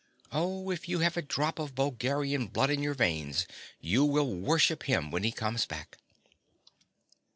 Oh, if you have a drop of Bulgarian blood in your veins, you will worship him when he comes back.